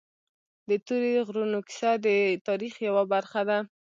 د تورې غرونو کیسه د تاریخ یوه برخه ده.